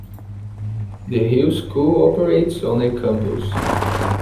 The Hill School operates on a campus.